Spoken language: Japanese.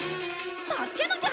助けなきゃ！